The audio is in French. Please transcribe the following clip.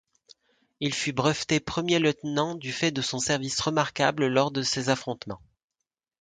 Il fut breveté premier-lieutenant du fait de son service remarquable lors de ces affrontements.